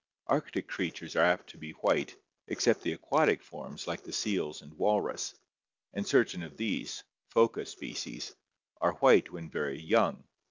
Arctic creatures are apt to be white, except the aquatic forms like the seals and walrus, and certain of these (Phoca spp.) are white when very young.